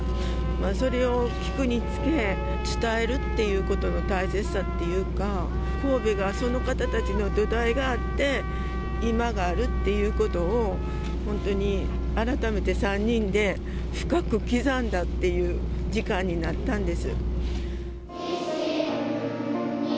それを聞くにつけ、伝えるということの大切さというか、神戸がその方たちの土台があって、今があるっていうことを、本当に改めて３人で深く刻んだっていう時間になったんです。